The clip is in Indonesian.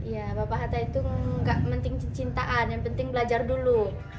ya bapak hatta itu gak penting cintaan yang penting belajar dulu